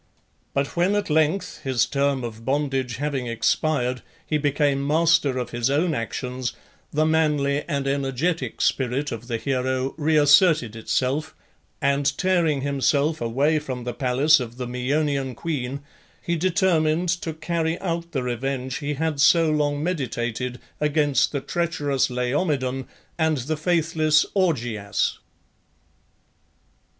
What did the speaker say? But when at length, his term of bondage having expired, he became master of his own actions, the manly and energetic spirit of the hero reasserted itself, and tearing himself away from the palace of the Maeonian queen, he determined to carry out the revenge he had so long meditated against the treacherous Laomedon and the faithless Augeas.